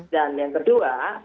dan yang kedua